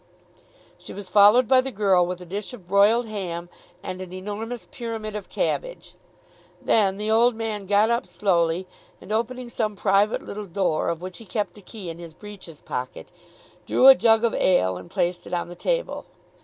She was followed by the girl with a dish of broiled ham and an enormous pyramid of cabbage. Then the old man got up slowly and opening some private little door of which he kept the key in his breeches pocket, drew a jug of ale and placed it on the table.